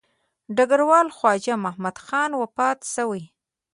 ډګروال خواجه محمد خان وفات شوی.